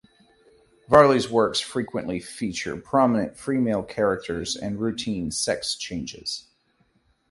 Varley's works frequently feature prominent female characters and routine sex changes.